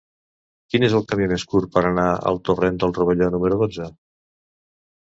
Quin és el camí més curt per anar al torrent del Rovelló número dotze?